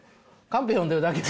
カンペ読んでるだけ。